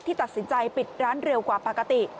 ตัดสินใจปิดร้านเร็วกว่าปกติ